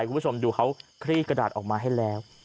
คุณผู้ชมดูเขาคลี่กระดาษออกมาให้แล้ว